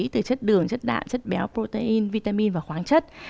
từ chất đường chất đạ chất béo protein vitamin và khoáng chất